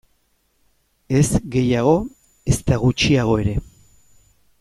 Ez gehiago, ezta gutxiago ere.